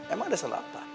emang ada salah apa